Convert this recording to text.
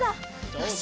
よし！